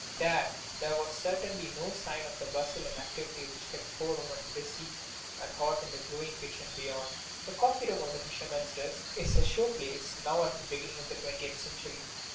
There, there was certainly no sign of that bustle and activity which kept four women busy and hot in the glowing kitchen beyond. The coffee room of "The Fisherman's Rest" is a show place now at the beginning of the twentieth century.